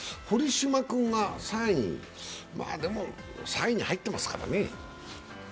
堀島君が３位、でも３位に入ってますからね。